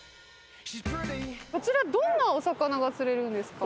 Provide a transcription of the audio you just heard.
こちらどんなお魚が釣れるんですか？